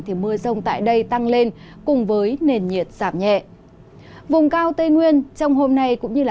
thì mưa rông tại đây tăng lên cùng với nền nhiệt giảm nhẹ